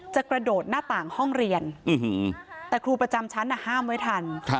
กระโดดหน้าต่างห้องเรียนแต่ครูประจำชั้นห้ามไว้ทัน